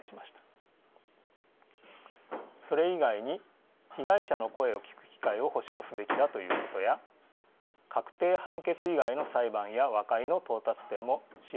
それ以外に被害者の声を聞く機会を保障すべきだということや確定判決以外の裁判や和解の到達点も視野に入れることを掲げました。